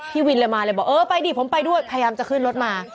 พี่วินเลยมาเลยบอกเออไปดิผมไปด้วยพยายามจะขึ้นรถมา